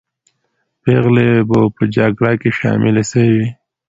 پېغلې به په جګړه کې شاملې سوې وې.